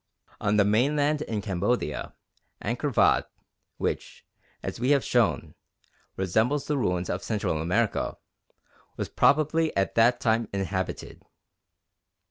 On the mainland in Cambodia, Angkor Vhat, which, as we have shown, resembles the ruins of Central America, was probably at that time inhabited.